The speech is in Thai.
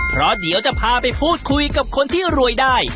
เพราะเดี๋ยวจะพาไปพูดคุยกับคนที่รวยได้